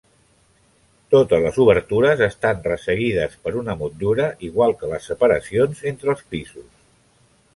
Totes les obertures estan resseguides per una motllura, igual que les separacions entre els pisos.